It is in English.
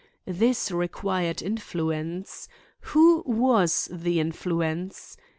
This required influence. Whose was the influence?